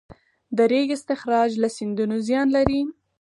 د ریګ استخراج له سیندونو زیان لري؟